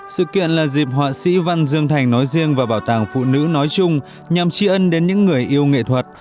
sự kiện là dịp họa sĩ văn dương thành nói riêng và bảo tàng phụ nữ nói chung nhằm tri ân đến những người yêu nghệ thuật